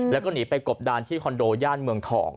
แล้วก็หนีไปกบดานที่คอนโดย่านเมืองทอง